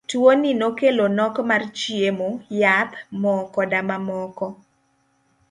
Tuo ni nokelo nok mar chiemo, yath, moo koda mamoko.